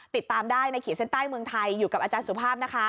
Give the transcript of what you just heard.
ติดตามได้ในขีดเส้นใต้เมืองไทยอยู่กับอาจารย์สุภาพนะคะ